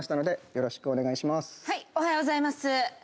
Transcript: おはようございます。